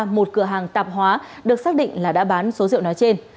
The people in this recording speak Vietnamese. một cửa hàng tạp hóa được xác định là đã bán số rượu nói trên